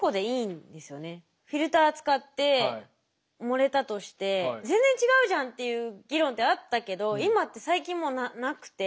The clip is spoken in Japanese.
フィルター使って盛れたとして全然違うじゃんっていう議論ってあったけど今って最近もうなくて。